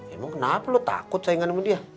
emang kenapa lu takut sayangnya sama dia